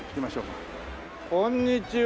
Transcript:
あっこんにちは。